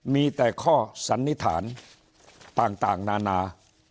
มีแต่ข้อสันนิษฐานต่างนานา